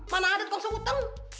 mana ada yang sakoteng